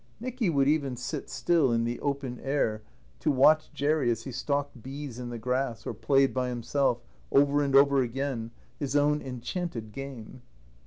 Nicky would even sit still in the open air to watch Jerry as he stalked bees in the grass, or played by himself, over and over again, his own enchanted game.